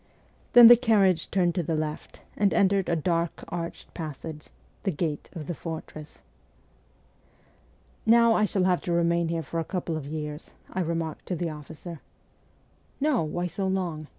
Then the carriage turned to the left and entered a dark arched passage, the gate of the fortress. ' Now I shall have to remain here for a couple of years,' I remarked to the officer. ' No, why so long